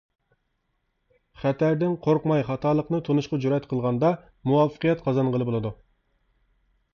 خەتەردىن قورقماي، خاتالىقنى تونۇشقا جۈرئەت قىلغاندا مۇۋەپپەقىيەت قازانغىلى بولىدۇ.